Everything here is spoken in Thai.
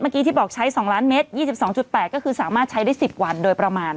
ที่บอกใช้๒ล้านเมตร๒๒๘ก็คือสามารถใช้ได้๑๐วันโดยประมาณ